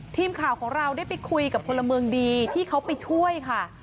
ทีมข่าวของเราได้ไปคุยกับพลเมืองดีที่เขาไปช่วยค่ะ